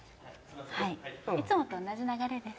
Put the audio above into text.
はいいつもと同じ流れです